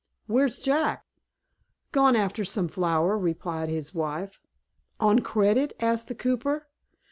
Where's Jack?" "Gone after some flour," replied his wife. "On credit?" asked the cooper.